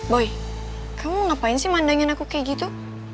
boy kamu ngapain sih mandangin aku kayak gitu